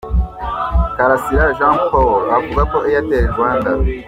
Karasira Jean Paul avuga ko Airtel Rwanda.